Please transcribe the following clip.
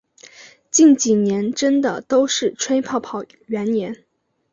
近几年真的都是吹泡泡元年